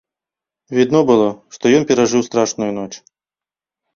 Відно было, што ён перажыў страшную ноч.